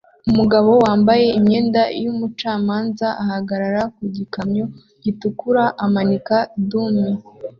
Umugabo wambaye imyenda yumucamanza ahagarara ku gikamyo gitukura amanika dummy